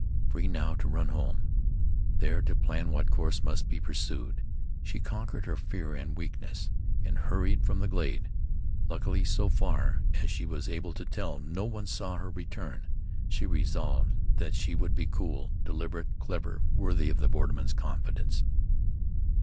Free now to run home, there to plan what course must be pursued, she conquered her fear and weakness, and hurried from the glade. Luckily, so far as she was able to tell, no one saw her return. She resolved that she would be cool, deliberate, clever, worthy of the borderman's confidence.